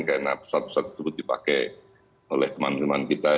karena pesawat pesawat tersebut dipakai oleh teman teman kita